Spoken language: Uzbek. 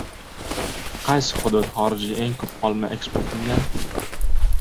Qaysi hudud xorijga eng ko‘p olma eksport qilgan?